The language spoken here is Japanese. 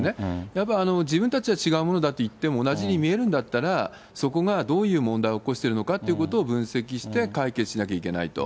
やっぱり自分たちは違うものだと言っても、同じに見えるんだったら、そこがどういう問題を起こしているのかということを分析して解決しなきゃいけないと。